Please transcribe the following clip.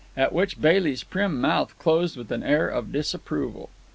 At which Bailey's prim mouth closed with an air of disapproval.